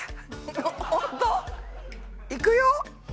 いくよ。